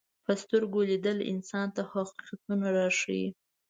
په سترګو لیدل انسان ته حقیقتونه راښيي